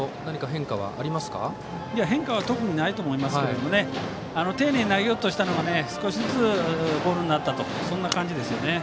変化は特にないと思いますが丁寧に投げようとしたのが少しずつボールになったという感じですよね。